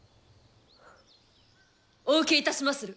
お受けいたしまする。